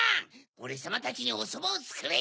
オレさまたちにおそばをつくれ！